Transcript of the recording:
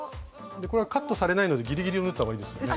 これはカットされないのでギリギリを縫った方がいいですよね。